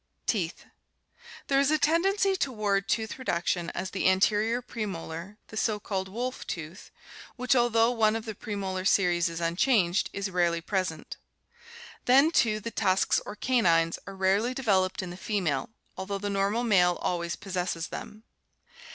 Teeth. — There is a tendency toward tooth reduction, as the anterior premolar, the so called "wolf tooth," which although one of the premolar series is unchanged, is rarely present. Then, too, the tusks or canines are rarely developed in the female, although the normal male always possesses them.